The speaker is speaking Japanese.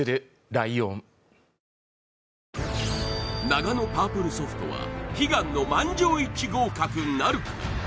ナガノパープルソフトは悲願の満場一致合格なるか？